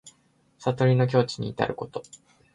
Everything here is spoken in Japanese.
悟りの境地にいたること。